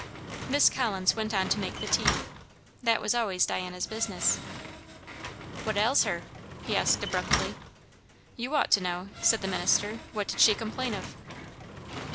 Miss Collins went on to make the tea. That was always Diana's business. "What ails her?" she asked abruptly. "You ought to know," said the minister. "What did she complain of."